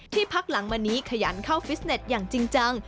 พักหลังมานี้ขยันเข้าฟิสเน็ตอย่างจริงจัง